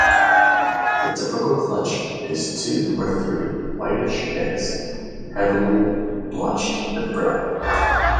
The typical clutch is two or three whitish eggs heavily blotched with brown.